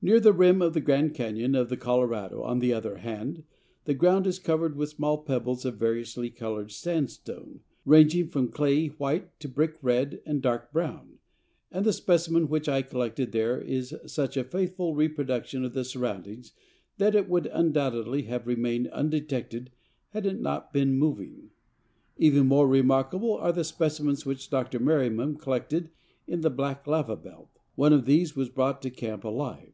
Near the rim of the Grand Canyon of the Colorado, on the other hand, the ground is covered with small pebbles of variously colored sandstone, ranging from a clayey white to brick red and dark brown, and the specimen which I collected there is such a faithful reproduction of the surroundings that it would undoubtedly have remained undetected had it not been moving. Even more remarkable are the specimens which Dr. Merriam collected in the black lava belt. One of these was brought to camp alive."